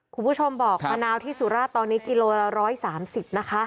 คุณผู้ชมบอกมะนาวที่สุราชตอนนี้กิโลละ๑๓๐นะคะ